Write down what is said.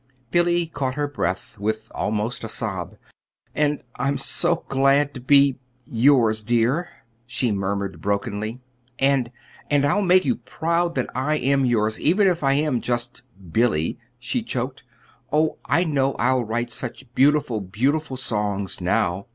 Billy caught her breath with almost a sob. "And I'm so glad to be yours, dear," she murmured brokenly. "And and I'll make you proud that I am yours, even if I am just 'Billy,'" she choked. "Oh, I know I'll write such beautiful, beautiful songs now."